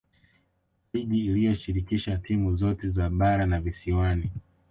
ligi iliyoshirikisha timu zote za bara na visiwani